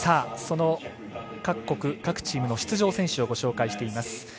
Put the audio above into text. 各国各チームの出場選手をご紹介しています。